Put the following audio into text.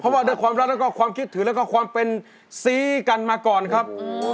เพราะว่าด้วยความรักแล้วก็ความคิดถือแล้วก็ความเป็นซี้กันมาก่อนครับ